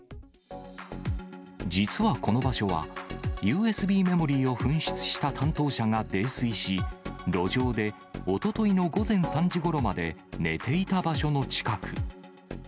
実はこの場所は、ＵＳＢメモリーを紛失した担当者が泥酔し、路上でおとといの午前３時ごろまで寝ていた場所の近く。